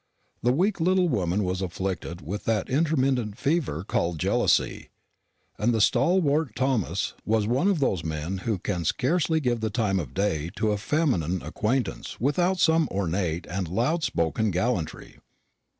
The weak little woman was afflicted with that intermittent fever called jealousy; and the stalwart Thomas was one of those men who can scarcely give the time of day to a feminine acquaintance without some ornate and loud spoken gallantry.